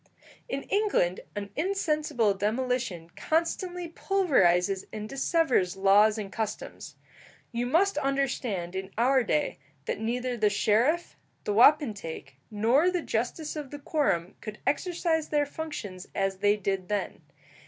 In England an insensible demolition constantly pulverizes and dissevers laws and customs. You must understand in our day that neither the sheriff, the wapentake, nor the justice of the quorum could exercise their functions as they did then.